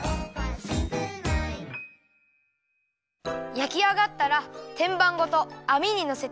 やきあがったらてんばんごとあみにのせてさまします。